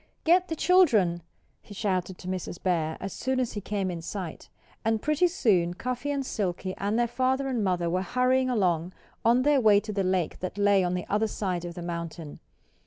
"Get the children!" he shouted to Mrs. Bear, as soon as he came in sight. And pretty soon Cuffy and Silkie and their father and mother were hurrying along on their way to the lake that lay on the other side of the mountain.